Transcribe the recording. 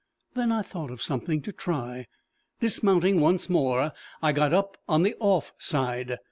Then I thought of something to try: dismounting once more, I got up on the off side.